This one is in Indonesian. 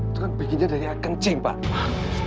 itu kan bikinnya dari kencing pak